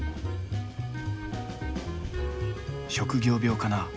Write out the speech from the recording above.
職業病かな。